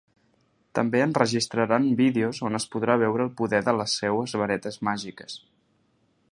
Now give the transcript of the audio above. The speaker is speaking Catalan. També enregistraran vídeos on es podrà veure el poder de les seues varetes màgiques.